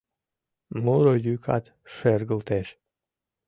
Муро йӱкат шергылтеш